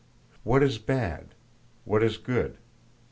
What is bad? What is good?